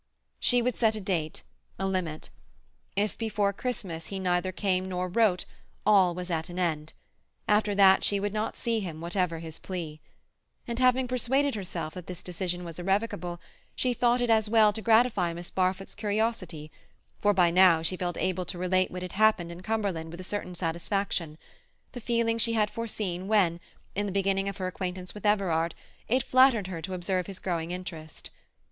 She would set a date, a limit. If before Christmas he neither came nor wrote all was at an end; after that she would not see him, whatever his plea. And having persuaded herself that this decision was irrevocable, she thought it as well to gratify Miss Barfoot's curiosity, for by now she felt able to relate what had happened in Cumberland with a certain satisfaction—the feeling she had foreseen when, in the beginning of her acquaintance with Everard, it flattered her to observe his growing interest.